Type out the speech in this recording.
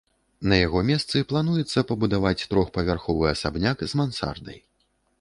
На яго месцы плануецца пабудаваць трохпавярховы асабняк з мансардай.